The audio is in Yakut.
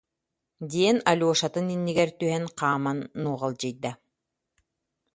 диэн Алешатын иннигэр түһэн, хааман нуоҕалдьыйда